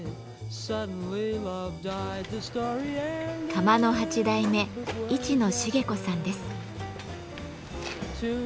窯の８代目市野茂子さんです。